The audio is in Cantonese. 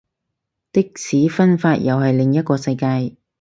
的士分法又係另一個世界